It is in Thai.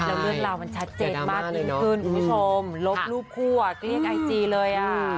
แล้วเรื่องราวมันชัดเจนมากยิ่งขึ้นคุณผู้ชมลบรูปคู่อ่ะเกลี้ยงไอจีเลยอ่ะ